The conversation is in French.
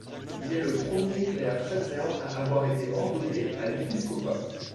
Il est le premier clerc tchadien à avoir été ordonné à l'épiscopat.